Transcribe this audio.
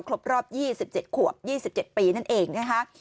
ครบรอบ๒๗ขวบ๒๗ปีนั่นเองนะคะ